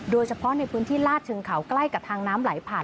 โดยเฉพาะในพื้นที่ลาดเชิงเขาใกล้กับทางน้ำไหลผ่าน